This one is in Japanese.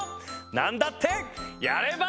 なんだってやれば。